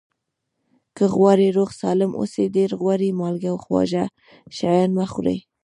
که غواړئ روغ سالم اوسئ ډېر غوړي مالګه خواږه شیان مه خوری